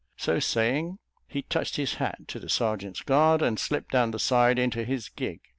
So saying, he touched his hat to the serjeant's guard, and slipped down the side into his gig.